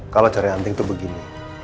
kalau caranya anting tuh begini